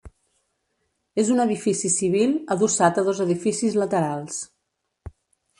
És un edifici civil adossat a dos edificis laterals.